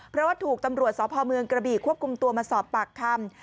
เพราะว่าถูกตำรวจสพเมืองกระบีควบคุมตัวมาสอบปากคำ